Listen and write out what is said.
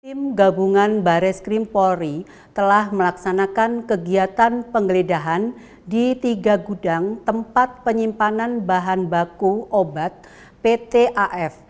tim gabungan bares krim polri telah melaksanakan kegiatan penggeledahan di tiga gudang tempat penyimpanan bahan baku obat ptaf